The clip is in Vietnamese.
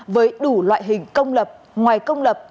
với đủ loại hình công lập ngoài công lập